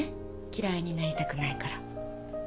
嫌いになりたくないから。